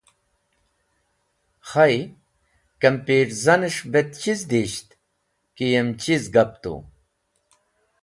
Khay, kimpirzanes̃h bet chiz disht ki yem chiz gap tu.